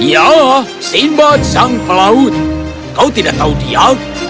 ya simbad sang pelaut kau tidak tahu dia